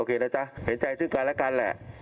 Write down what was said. นะจ๊ะเห็นใจซึ่งกันและกันแหละ